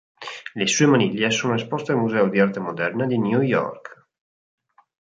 Le sue maniglie sono esposte al museo di Arte Moderna di New York.